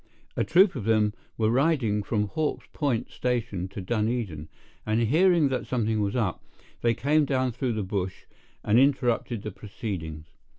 A troop of them were riding from Hawkes Point Station to Dunedin, and hearing that something was up, they came down through the bush and interrupted the proceedings.